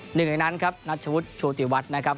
หนึ่งในนั้นครับนัชวุฒิโชติวัฒน์นะครับ